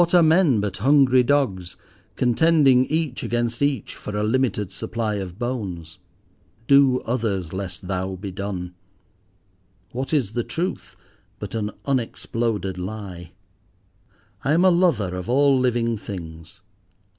What are men but hungry dogs, contending each against each for a limited supply of bones! Do others lest thou be done. What is the Truth but an unexploded lie! I am a lover of all living things.